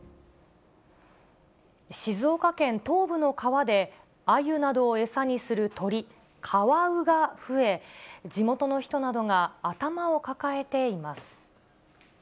静岡県東部の川で、アユなどを餌にする鳥、カワウが増え、地元の人などが頭を抱えています。